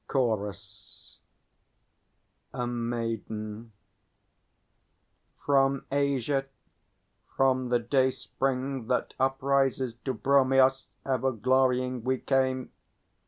_ CHORUS. A Maiden. From Asia, from the dayspring that uprises, To Bromios ever glorying we came.